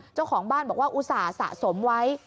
เจ้าของบ้านบอกว่าอุตส่าห์สะสมไว้